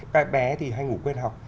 cái bé thì hay ngủ quên học